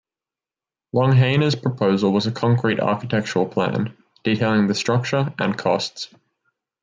Longhena's proposal was a concrete architectural plan, detailing the structure and costs.